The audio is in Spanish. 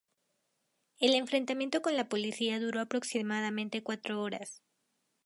El enfrentamiento con la policía duró aproximadamente cuatro horas.